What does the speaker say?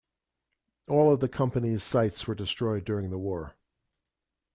All of the company's sites were destroyed during the war.